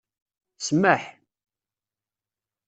Smaḥ...